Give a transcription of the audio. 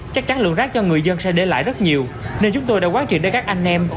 chắc chắn lượng rác cho người dân sẽ để lại rất nhiều nên chúng tôi đã quán triệt đến các anh em